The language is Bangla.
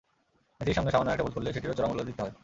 মেসির সামনে সামান্য একটা ভুল করলে সেটিরও চড়া মূল্য দিতে হয়।